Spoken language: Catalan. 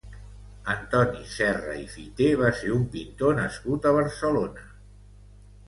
Antoni Serra i Fiter va ser un pintor nascut a Barcelona.